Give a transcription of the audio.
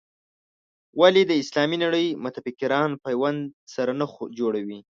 ولې د اسلامي نړۍ متفکران پیوند سره نه جوړوي.